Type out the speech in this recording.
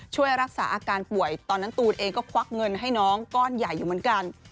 ช่วยรักษาอาการป่วยตอนนั้นตูนเองก็ควักเงินให้น้องก้อนใหญ่อยู่เหมือนกัน